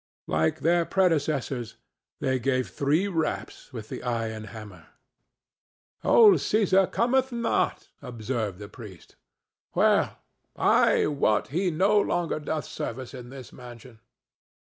Like their predecessors, they gave three raps with the iron hammer. "Old Cæsar cometh not," observed the priest. "Well, I wot he no longer doth service in this mansion."